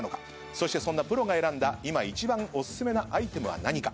そしてそんなプロが選んだ今一番お薦めなアイテムは何か？